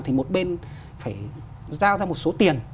thì một bên phải giao ra một số tiền